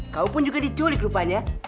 kau pun juga diculik rupanya